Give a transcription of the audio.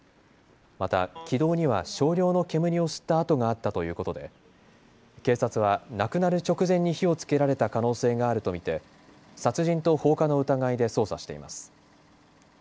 また気道には少量の煙を吸った痕があったということで警察は亡くなる直前に火をつけられた可能性があると見て殺人と放火の疑いで捜査しています。